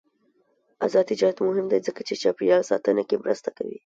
آزاد تجارت مهم دی ځکه چې چاپیریال ساتنه کې مرسته کوي.